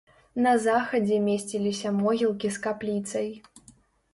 На захадзе месціліся могілкі з капліцай.